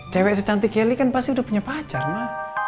cewek secantik kelly kan pasti udah punya pacar ma